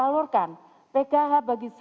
dalam penyelenggaraan bantuan tunai